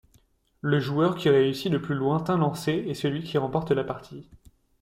Le joueur qui réussit le plus lointain lancé est celui qui remporte la partie.